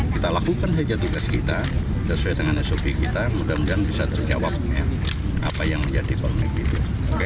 kita lakukan saja tugas kita sesuai dengan sop kita mudah mudahan bisa terjawab apa yang menjadi polemik itu